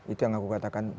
itu yang aku katakan